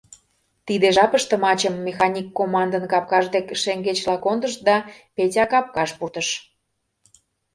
Тиде жапыште мачым Механик командын капкаж дек шеҥгечла кондышт да Петя капкаш пуртыш.